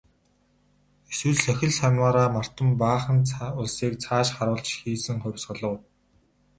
Эсвэл сахил санваараа мартан баахан улсыг цааш харуулж хийсэн хувьсгал уу?